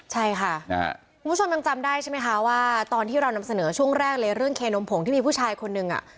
ใช่ค่ะคุณผู้ชมยังจำได้ใช่ไหมคะว่าตอนที่เรานำเสนอช่วงแรกเลยเรื่องเคนมผงที่มีผู้ชายคนนึงอ่ะ